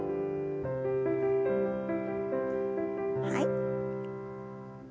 はい。